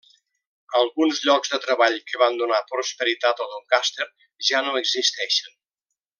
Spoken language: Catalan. Alguns llocs de treball que van donar prosperitat a Doncaster ja no existeixen.